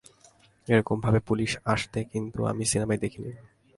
এরকম ভাবে পুলিশ আসতে কিন্তু আমি সিনেমায় দেখি নি।